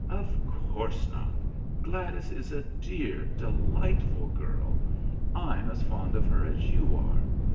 "Of course not. Gladys is a dear, delightful girl. I'm as fond of her as you are.